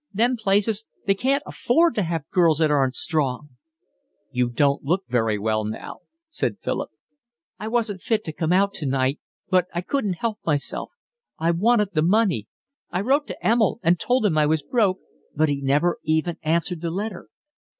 Them places, they can't afford to have girls that aren't strong." "You don't look very well now," said Philip. "I wasn't fit to come out tonight, but I couldn't help myself, I wanted the money. I wrote to Emil and told him I was broke, but he never even answered the letter."